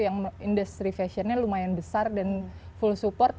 yang industri fashionnya lumayan besar dan full support